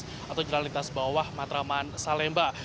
stasiun atau jalan lintas bawah matraman salemba